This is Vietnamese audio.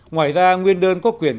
ngoài ra nguyên đơn có quyền